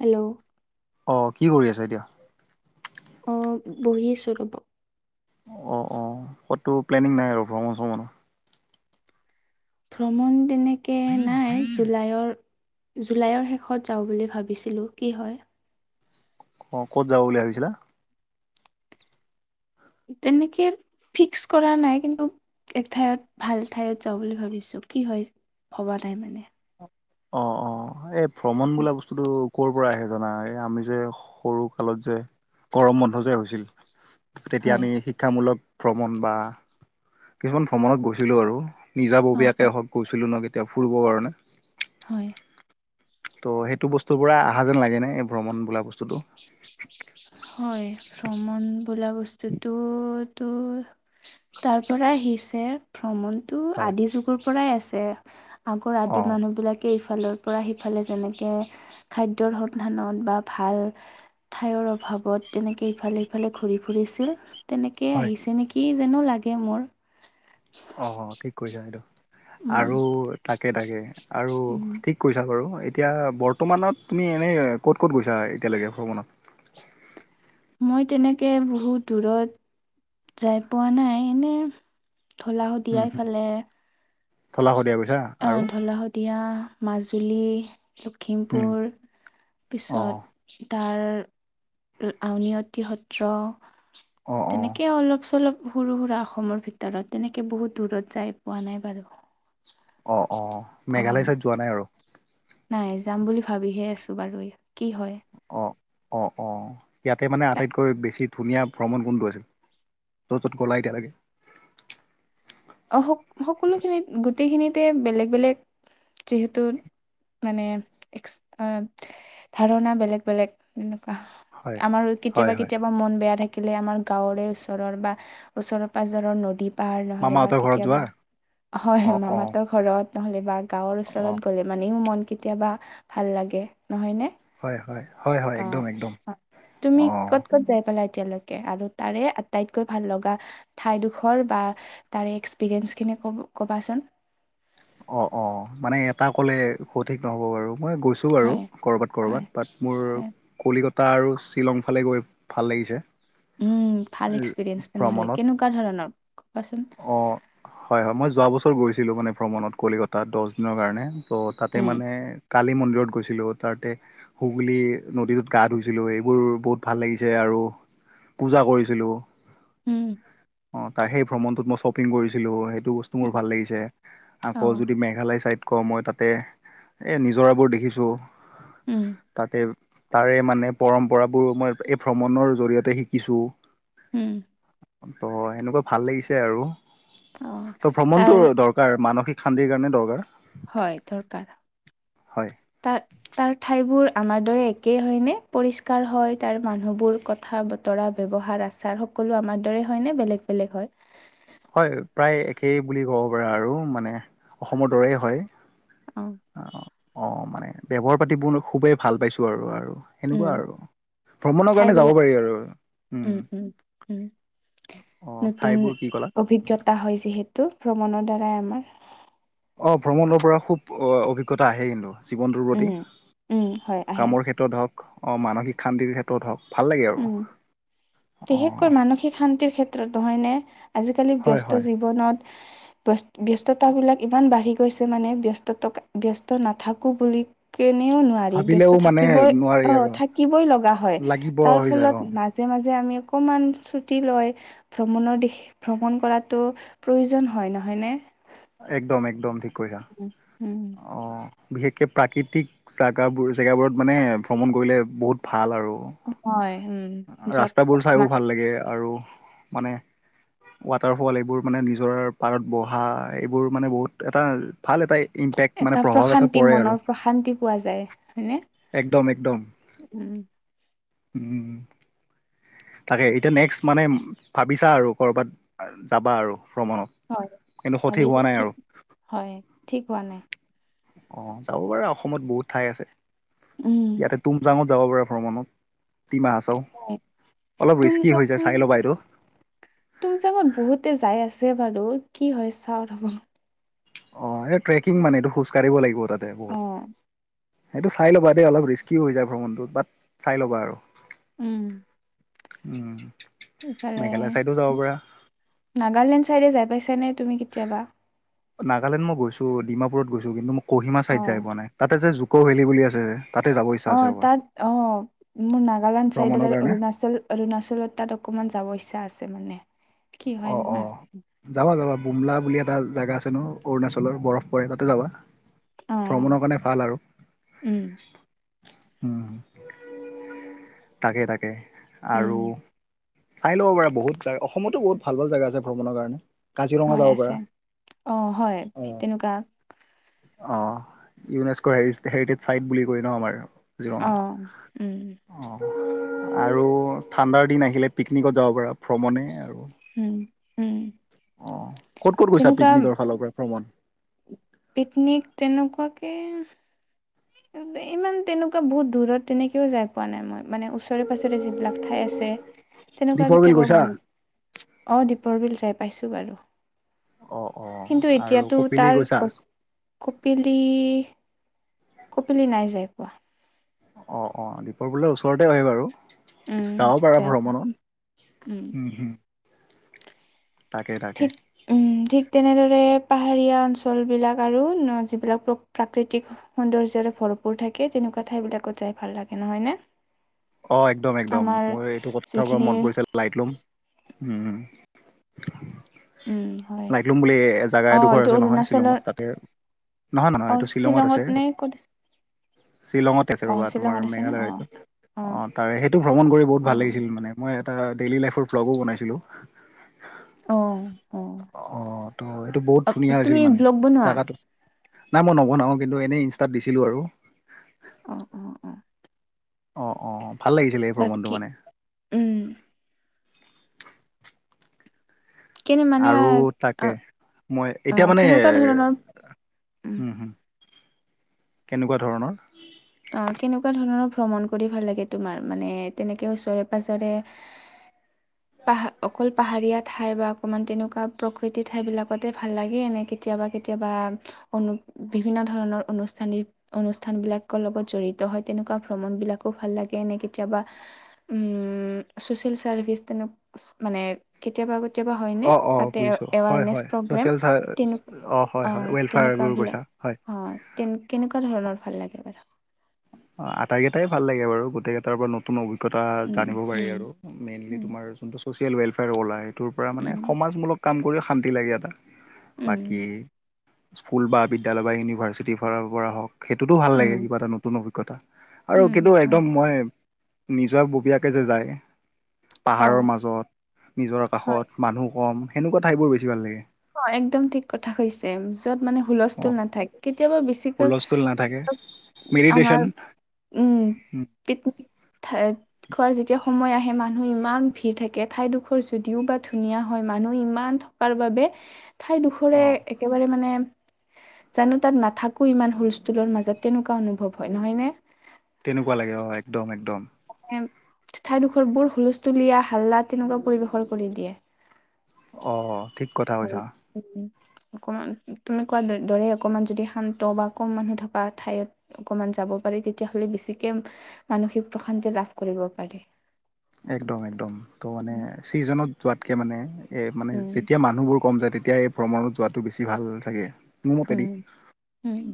Hello. অ', কি কৰি আছে এতিয়া? অ', বহিছো ৰ'ব অ', অ', ক'তো প্লেনিং নাই আৰু ভ্ৰমণ চমন মানুৰ ভ্ৰমণ তেনেকে নাই [unintelligible] জুলাইৰ, জুলাইৰ শেষত যাওঁ বুলি ভাবিছিলো কি হয়। অ', ক'ত যাব বুলি ভাবিছিলা? তেনেকে ফিক্স কৰা নাই কিন্তু এক ঠাইত ভাল ঠাইত যাওঁ বুলি ভাবিছো কি হয় ভবা নাই মানে অ', অ', এই ভ্ৰমণ বোলা বস্তুটো ক'ৰ পৰা আহে জানা এই আমি যে সৰু কালত যে গৰম বন্ধ যে হৈছিল তেতিয়া হয় আমি শিক্ষামূলক ভ্ৰমণ বা কিছুমান ভ্ৰমণত গৈছিলোঁ আৰু অ অ নিজাববীয়াকে হওক গৈছিলোঁ ন কেতিয়া ফুৰিবৰ কাৰণে হয়। তো সেইটো বস্তুৰ পৰা অহা যেন লাগেনে এই ভ্ৰমণ বোলা বস্তুটো হয় ভ্ৰমণ বোলা বস্তুতো তোৰ তাৰ পৰা আহিছে ভ্ৰমণ এইটো হয় আদি যুগৰ পৰাই আছে আগৰ অ আদি মানুহ বিলাক ইফালৰ পৰা সিফালে যেনেকে খাদ্যৰ সন্ধানত বা ভাল ঠায়ৰ অ', ভাৱত তেনেকৈ ইফালে সফালে ঘূৰি ফুৰিছিল তেনেকৈ হয়। আহিছে নেকি যানো লাগে মোৰ অ', ঠিক কৰিছা বাইদেউ উম আৰু তাকে তাকে আৰু ঠিক কৈছা বাৰু এতিয়া বৰ্তমানত তুমি এনেই ক'ত ক'ত গৈছা এতিয়ালৈকে ভ্ৰমণত? মই তেনেকে বহুত দূৰত যাই পোৱা নাই এনে ঢলা শদিয়াইফালে ঢলা শদিয়া গৈছা আহ আৰু ঢলাশদিয়া মাজুলী উম। লখিমপুৰ অঁ পিছত তাৰ আউনী অতি সত্ৰ অঁ অঁ তেনেকে অলপ চলপ সৰু সুৰা অসমৰ ভিতৰত তেনেকে বহুত দূৰত যাই পোৱা নাই বাৰু অ', অ', অ মেঘালয় চাইদ যোৱা নাই আৰু। নাই যাম বুলি ভাবিহে আছো বাৰু কি হয়। অ', অ', অ', ইয়াতে মানে আটাইতকৈ বেছি ধুনীয়া ভ্ৰমণ কোনটো আছিল 'ত গলাই এতিয়া লাগে। অ', স সকলোখিনিত গোটেইখিনিতে বেলেগ বেলেগ। যিহেতু মানে এক্স ধাৰণা বেলেগ বেলেগ এনেকুৱা হয় আমাৰো হয় কেতিয়াবা, হয় কেতিয়াবা মন বেয়া থাকিলে আমাৰ গাঁৱৰে ওচৰৰ বা ওচৰৰ পাজৰৰ নদী পাহাৰ নহ'লে মামা বা হতঁৰ ঘৰত। যোৱা কেতিয়াবা হয় অঁ অঁ মামাতৰ ঘৰত নহলে বা গাঁৱৰ ওচৰত। অঁ গলে মানেও মন কেতিয়াবা ভাল লাগে নহয় নে? হয় হয় হয় হয় একদম অ', একদম অ' তুমি অঁ ক'ত ক'ত যাই পালা? এতিয়ালৈকে আৰু তাৰে আটাইতকৈ ভাল লগা ঠাইডোখৰ বা তাৰে এক্সিৰিয়েঞ্চখিনি ক'ব ক'বাচোন। অ', অ' মানে এটা ক'লে সঠিক নহব বাৰু মই গৈছো। ছো আৰু হয় ক'ৰবাত হয় ক'ৰবাত বাট মোৰ হয়, কলিকতা আৰু শ্বিলং ফালে গৈ ভাল লাগিছে। উম, ভাল এক্সপিৰিয়েঞ্চ তেনেহ'লে ভ্ৰমণত কেনেকুৱা ধৰণৰ ক'বাচোন। অ', হয় হয় মই যোৱা বছৰ গৈছিলোঁ মানে ভ্ৰমণত কলিকতাত দহ দিনৰ কাৰণে। ত' তাতে উম, মানে কালী মন্দিৰত গৈছিলোঁ। তাতে সুগলী নদীটোত গা ধুইছিলোঁ এইবোৰ বহুত ভাল লাগিছে আৰু পূজা কৰিছিলোঁ। উম, অ', তাৰ সেই ভ্ৰমণটোত মই শ্বপিং কৰিছিলো, সেইটো বস্তু মোৰ উম, ভাল লাগিছে। আকৌ অ', যদি মেঘালয় ছাইড কওঁ, মই তাতে এই নিজৰাবোৰ দেখিছোঁ। উম, তাতে তাৰে মানে পৰম্পৰাবোৰ মই এই ভ্ৰমণৰ জৰিয়তে শিকিছোঁ। উম। ত' সেনেকুৱা ভাল লাগিছে আৰু অ', ত তাৰ ভ্ৰমণটো দৰকাৰ। কাৰ মানসিক শান্তিৰ কাৰণে দৰকাৰ। হয় দৰকাৰ হয় তাৰ তাৰ ঠাইবোৰ আমাৰ দৰে একেই হয়নে পৰিষ্কাৰ হয় তাৰ মানুহবোৰ কথা বতৰা ব্যৱহাৰ আচাৰ। সকলো আমাৰ দৰে হয় নে বেলেগ বেলেগ হয়? হয় প্ৰায় একেই বুলি ক'ব পাৰা আৰু মানে অসমৰ দৰে হয়। অ', অ' মানে ব্যৱহাৰ পাতিবোৰ খুবেই ভাল পাইছো আৰু আৰু। উম, সেনেকুৱা আৰু ভ্ৰমণৰ কাৰণে যাব ঠাইবিলাক পাৰি আৰু উম। অ', ঠাইবোৰ কি কলা? পতা হয় যিহেতু ভ্ৰমণৰ দ্বাৰাই আমাৰ অ', ভ্ৰমণৰ পৰা খুব অভিজ্ঞতা আহে, কিন্তু জীৱনটোৰ প্ৰতি উম, উম, হয় আহে কামৰ ক্ষেত্ৰত হওক অ মানসিক শান্তিৰ ক্ষেত্ৰত ত হওক ভাল লাগে। আৰু উম। অ বিশেষকৈ মানসিক শান্তিৰ ক্ষেত্ৰত নহয়নে আজিকালি হয় হয় ব্যস্ত জীৱনত [inaudible] ব্যস্ত, ব্যস্ততাবিলাক ইমান বাঢ়ি গৈছে মানে ব্যস্ততা ব্যস্ত নাথাকো বুলি কেনেও নোৱাৰি বস্ত ভাবিলেও মানে থাকিবই নোৱাৰি আহ আৰু থাকিবই লগা হয় লাগিব তাৰ হৈ যায় ফলত অ মাজ মাজে মাজে আমি অকণমান ছুটি লয় ভ্ৰমণৰ দিশ ভ্ৰমণ কৰাতটো প্ৰয়োজন হয় নহয় নে। একদম একদম ঠিক কৰিছা অ'। বিশেষকৈ প্ৰাকৃতিক জেগাবোৰ জেগাবোৰত মানে ভ্ৰমণ কৰিলে বহুত ভাল আৰু। হয় উম। য'ত ৰাস্তাবোৰ চাইও অকমান ভাল লাগে। আৰু মানে ৱাটাৰফল এইবোৰ মানে নিজৰ পাৰত বহা এইবোৰ মানে বহুত এটা ভাল এটা ইম্পেক্ট মানে এটা প্ৰভাৱ এটা প্ৰশান্তি পৰে আৰু। মনৰ প্ৰশান্তি পোৱা যায় হয়নে একদম একদম। [inaudible] উম। তাকে এতিয়া নেক্সট মানে ভাবিছা আৰু ক'ৰবাত যাবা আৰু ভ্ৰমণত? হয় কিন্তু সঠিক ভাবিছো হোৱা নাই কি আৰু হয় ঠিক হোৱা নাই। অ', যাব পাৰে অসমত বহুত ঠাই আছে। উম। ইয়াতে তুমজাঙত যাব পাৰা ভ্ৰমণত ডিমাহাছা তুমযা কোন চাই ল'বা এইটো তুমজাগত বহুতে যাই আছে বাৰু কি হয় চাওঁ ৰ'ব। অ, এই ট্ৰেকিং মানে এইটো খোজ কঢ়িব লাগিব তাতে অ', বহুত। সেইটো চাই ল'বা দেই অলপ ৰিস্কিও হৈ যায় ভ্ৰমণটো বাট চাই ল'বা আৰু। উম, উম, ইফালে মেঘালয় চাইডো যাব পাৰা নাগালেণ্ড চাইডে যাই পাইছানে তুমি কেতিয়াবা। নাগালেণ্ড মই গৈছো ডিমাপুৰত গৈছো কিন্তু ম কহিমা অ', চাইড যাই পোৱা নাই, তাতে যে জুকো ভেলী বুলি আছে। তাতে যাব ইচ্ছা অ, আছে ৰ'বা তাত অ, মোৰ নাগালেণ্ড ভ্ৰমণৰ চাইডত আৰু কাৰণে অৰুণাচল। অৰুণাচলত তাত অকণমান যাব ইচ্ছা আছে মানে। কি হয় অ, না অ, যাবা যাবা বুমলা, বুলি এটা জাগগা আছে ন অৰুণাচলৰ বৰফ পৰে তাতে যাবা। অ', ভ্ৰমণৰ কাৰণে ভাল আৰু। উম, উ, তাকে তাকে উম, আৰু। চাই ল'ব পাৰা বহুতা অসমতো বহুত ভাল ভাল জেগা আছে ভ্ৰমণৰ কাৰণে। কাজিৰঙা হয়, যাব আছে পাৰা অ, হয় অ'। তেনেকুৱা। অ, ইউনেস্কো হেৰিটেজ চাইট বুলি কৈ ন আমাৰ অ', জিৰঙা। উম, অ, আৰু ঠাণ্ডাৰ দিন আহিলে পিকনিকত যাব পাৰা ভ্ৰমণে। আৰু উম, উম, অ, ক'ত ক'ত গৈছা তেনেকুৱা পিকনিকৰ ফালৰ পৰা ভ্ৰমণ। পিকনিক তেনেকুৱাকে। ইমান তেনেকুৱা বহুত দূৰত তেনেকৈও যাই পোৱা নাই মই মানে ওচৰে পাঁজৰে যিবিলাক ঠাই আছে। তেনেকুৱা দীপৰ বিল কেতিয়াবা গৈছা? মন অ, দ্বীপৰ বিল যাই পাইছো বাৰু। অ' অ' কিন্তু আৰু এতিয়াতো কপিলি তাৰ গৈছা? গছ কপিলি। কপিলি নাই যাই পোৱা। অ, অ, দ্বীপৰ বোলৰ ওচৰতে হয় বাৰু। উম যাব পাৰা যাই পোৱা ভ্ৰমণত উম, উম, তাকে তাকে। ঠিক উম, ঠিক তেনেদৰে পাহাৰীয়া অঞ্চলবিলাক আৰু যিবিলাক প্ৰ, প্ৰাকৃতিক। সৌন্দ্যৰে ভৰপুৰ থাকে তেনেকুৱা ঠাই বিলাকত যাই ভাল লাগে নহয় নে। অ, একদম একদম আমাৰ মোৰ এইটো কথাৰ পৰা যিখিনি মন পৰিছে লাইট লোম উম, উম হয় লাইকোম বুলি জোগা অ এডোখৰ এইটো আছে নহয় অৰুণাচলৰ শ্বিলঙত তাতে। নহয় নহয়, অ এইটো শ্বিলঙত আছে। নে ক'ত শ্বিলঙত আছে অ ৰ'বা তোমাৰ শ্বিলঙত আছে ন অ মেঘালয় টোত। অ, তাৰে সেইটো ভ্ৰমণ কৰি বহুত অ ভাল লাগিছিল মানে মই এটা ডেইলি লাইফৰ ব্লগো বনাইছিলো। অ, অ অ, ত' এইটো বহুত অ ধুনীয়া হৈছিল তুমি মানে ব্লগ বনোৱা জাগাটো। নাই মই নবনাওঁ কিন্তু এনেই ইনষ্টাত দিছিলোঁ আৰু। অ অ অ অ, অ, ভাল লাগিছিলে এই ভ্ৰমণটো বাকী মানে। উম, কেনে মানে আৰু অ তাকে মই অ এতিয়া মানে। কেনেকুৱা ধৰণৰ উম, কেনেকুৱা ধৰণৰ। অ, কেনেকুৱা ধৰণৰ ভ্ৰমণ কৰি ভাল লাগে তোমাৰ মানে তেনেকে ওচৰে পাজৰে। হয় পাহ অকল পাহাৰীয়া ঠাই বা অকমান তেনেকুৱা প্ৰকৃতি ঠাই বিলাকতে ভাল লাগে এনেক। কেতিয়াবা কেতিয়াবা অনু বিভিন্ন ধৰণৰ অনুষ্ঠানিক অনুষ্ঠানবিলাক। লগত জড়িত হয় তেনেকুৱা ভ্ৰমণ বিলাকো ভাল লাগে নে কেতিয়াবা। ছ'চিয়েল ছাৰ্ভিচ তেনেক মানে কেতিয়াবা কেতিয়াবা হয়নে অ অ তাতে বুজিছো হয় এৱাৰনেছ হয় প্ৰগ্ৰেম ছ'চিয়েল চাৰ তেনে হয় অ, হয় তেনেকুৱা ৱেলফেয়াৰবোৰ কৈছা বিলাক হয় অ, তেনে কেনেকুৱা ধৰণৰ ভাল লাগে বাৰু। অ, আটাই কেইটাই ভাল লাগে বু গোটেইাৰ পৰা নতুন অ অজঞতা উম জানিবপাৰি উম আৰু মেইনলি উম তোমাৰ যোনটো ছ'চিয়েল ৱেলফেয়াৰ উলাই তুৰ পৰা মানে উম সমাজমূলক কাম কৰিও শান্তি লাগে এটা উম বাকী স্কুল বা বিদ্যালয় বা ইউনিভাৰ্চিটিৰ ফালৰ পৰা হওঁক সেইটোতো ভাল উম লাগে কিবা এটা নতুন অভিজ্ঞতা আৰু উম, কিন্তু হয় একদম মই নিজৰ ববীয়াকে যে যায় অঁ পাহাৰৰ মাজত, নিজৰাৰ হয় কাষত, মানুহ কম সেনেকুৱা ঠাইবোৰ বেছি ভাল লাগে। অ একদম ঠিক কথা কৈছে, যত মানে অ হুলস্থুল নাথাকে কেতিয়াবা বেছিকৈ হুলস্থুল নাথাকে আমাৰ মেডিটেশ্যন উম পিকনিক খোৱাৰ যেতিয়া সময় আহে মানুহ ইমান ভিৰ থাকে, ঠাইডোখৰ যদিও বা ধুনীয়া হয় মানুহ ইমান বাবে অ ঠাইডোখৰে একেবাৰে মানে জানো তাত নাথাকোঁ ইমান হুলস্থুলৰ মাজত তেনেকুৱা অনুভৱ হয়, নহয়নে? তেনেকুৱা লাগে অ', একদম, একদম। ঠাইডোখৰ বোৰ হুলস্থুলীয়া, হাল্লা তেনেকুৱা পৰিৱেশৰ কৰি দিয়ে। অ', ঠিক কথা কৈছা। [inaudible] অকমান তুমি কোৱা দ- দৰেই অকমান যদি শান্ত বা কম মানুহ থকা ঠাইত অকমান যাব পাৰি, তেতিয়া হ'লে বেছিকে মানসিক প্ৰশান্তি লাভ কৰিব পাৰি। একদম একদম তো মানে ছিজনত যোৱাতকে মানে এই, মানে উম, যেতিয়া মানুহবোৰ কম যায়, তেতিয়া এই ভ্ৰমণত যোৱাটো বেছি ভাল থাকে। মোৰ উম। মুখেদি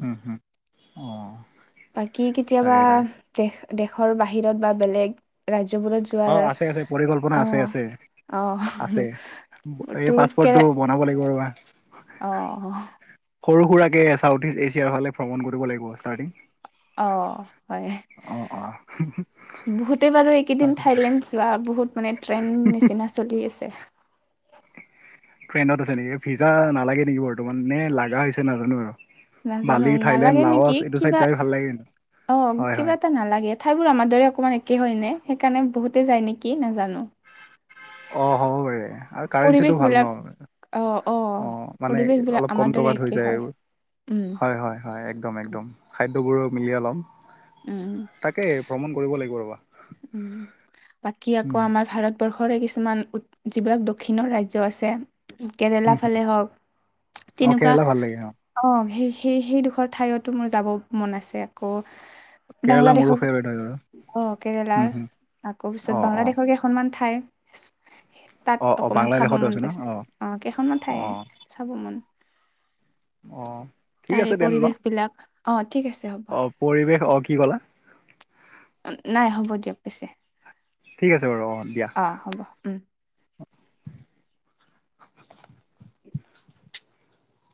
উম, উম, অ'। বাকী তাকে কেতিয়াবা তাকে দেশ- দেশৰ বাহিৰত বা বেলেগ ৰাজ্যত অ', আছে, আছে পৰিকল্পনা আছে, আছে। অ', আছে, এই তোক কে পাছপৰ্টটো বনাব লাগিব ৰ'বা। অ'। সৰু সুৰাকে চাউথ ইষ্ট এছিয়াৰ ফালে ভ্ৰমণ কৰিব লাগিব ষ্টাৰ্টিং। অ', হয়, অ' অ' বহুতে বাৰু এইকেইদিন তাকে থাইলেণ্ড যোৱা বহুত মানে ট্ৰেন নিচিনা চলি আছে। ট্ৰেইন আছে নেকিভ, ফিজা নালাগে নেকি বৰ্তমান, নে লগা হৈছে নাজানো আৰু। নাজানো বালি থাইলেণ্ড নালাগে নেকি, লাৱছ এইটো চাইড কিবা যাই ভাল লাগে কিন্তু। অ', হয় কিবা হয় এটা নালাগে। ঠাইবোৰ আমাৰ দৰে অকণমান একেই হয়নে, সেইকাৰণে বহুতে যায় নেকি নাজানো। অ', হ'ব পাৰে। কাৰেঞ্চিটো পৰিৱেশ ভাল বিলাক ন, অ', অ', মানে পৰিৱেশ বিলাক অলপ আমাৰ কম দৰে টকাত হৈ একে যায় হয় আৰু। উম, হয়, হয়, হয় একদম একদম খাদ্যবোৰো মিলিয়ে ল'ম। উম। তাকে ভ্ৰমণ কৰিব লাগিব ৰ'বা। বাকী আকৌ উম আমাৰ ভাৰতবৰ্ষৰে কিছুমান উ-যিবিলাক দক্ষিণৰ ৰাজ্যৰ আছে। কেৰেলা হুম হুম ফালে হওঁক অ' তেনেকুৱা কেৰেলা ভাল লাগে অ', সেই, সেই 'সেই দুখৰ ঠাইতো মোৰ যাব মন আছে আকৌ। কেৰেলা মোৰো বাংলাদেশৰ ফেভৰেট হয় বাৰু। অ', উম কেৰেলাৰ হুম আকৌ পিছত অ' অ' বাংলাদেশৰ কেইখনমান ঠাই তাত অ' অ' অকমান চাব বাংলাদেশতো মনটো ন আছে, অ', কেইখনমান ঠাই অ' চাব মন অ'। ঠিক তাৰে আছে দেন ন পৰিৱেশ বিলাক অ', ঠিক আছে হ'ব। অ' পৰিৱেশ অ', কি কলা? নাই হ'ব দিয়ক পিছে। ঠিক আছে বাৰু অ', দিয়া। অ', হ'ব উম'।